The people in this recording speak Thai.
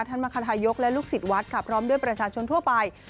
มคทายกและลูกศิษย์วัดค่ะพร้อมด้วยประชาชนทั่วไป